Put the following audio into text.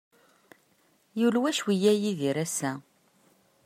Yulwa cwiya Yidir ass-a.